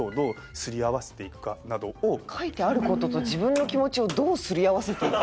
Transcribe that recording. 書いてある事と自分の気持ちをどうすり合わせていく。